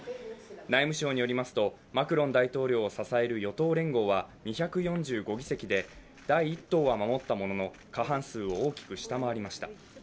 内務省によりますとマクロン大統領を支える与党連合は２４５議席で第一党は守ったものの、過半数を大きく下回りました。